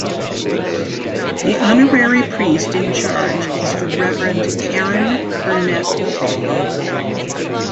The honorary priest in charge is the Reverend Karen Burnett-Hall.